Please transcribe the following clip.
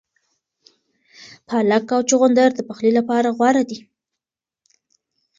پالک او چغندر د پخلي لپاره غوره دي.